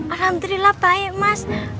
alhamdulillah baik mas